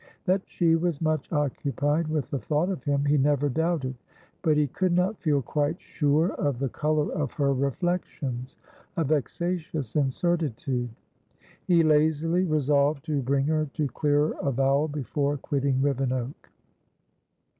That she was much occupied with the thought of him, he never doubted, but he could not feel quite sure of the colour of her reflectionsa vexatious incertitude. He lazily resolved to bring her to clearer avowal before quitting Rivenoak.